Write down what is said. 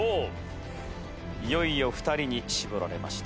いよいよ２人に絞られました。